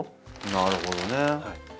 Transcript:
なるほどね。